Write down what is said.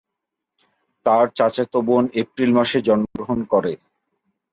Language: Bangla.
তার চাচাতো বোন এপ্রিল মাসে জন্মগ্রহণ করে।